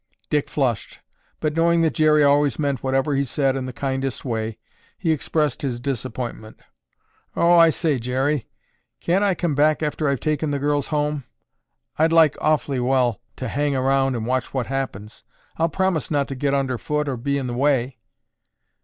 Dick flushed, but knowing that Jerry always meant whatever he said in the kindest way, he expressed his disappointment. "Oh, I say, Jerry, can't I come back after I've taken the girls home? I'd like awfully well to hang around and watch what happens. I'll promise not to get underfoot or be in the way."